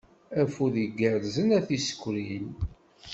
Afud igerrzen a tisekrin.